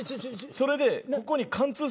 それでここに貫通させて。